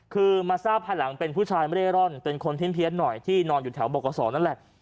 คือมาทราบภายหลังเป็นผู้ชายไม่ได้ร่อนเป็นคนเพี้ยนหน่อยที่นอนอยู่แถวบกษนั่นแหละ